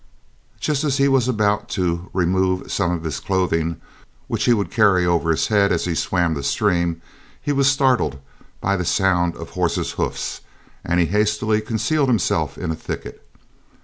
Just as he was about to remove some of his clothing, which he would carry over on his head as he swam the stream, he was startled by the sound of horses' hoofs, and he hastily concealed himself in a thicket.